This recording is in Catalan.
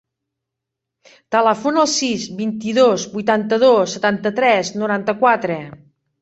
Telefona al sis, vint-i-dos, vuitanta-dos, setanta-tres, noranta-quatre.